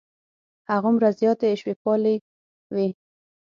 هماغومره زیاتې حشوي پالې وې.